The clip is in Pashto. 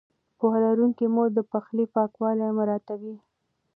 پوهه لرونکې مور د پخلي پاکوالی مراعتوي.